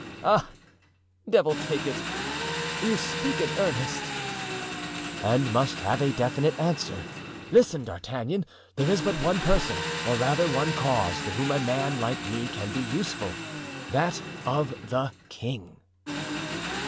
"Ah, devil take it, you speak in earnest——" "And must have a definite answer. Listen, D'Artagnan. There is but one person, or rather, one cause, to whom a man like me can be useful—that of the king."